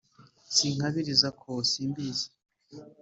sinkabiriza ko simbizi